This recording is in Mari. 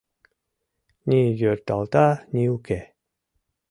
Ни йорталта, ни уке.